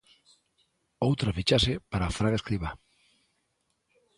Outra fichaxe para Fran Escribá.